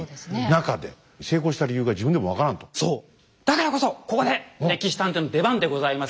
だからこそここで「歴史探偵」の出番でございます。